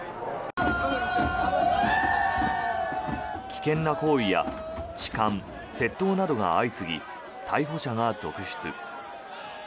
危険な行為や痴漢、窃盗などが相次ぎ逮捕者が続出。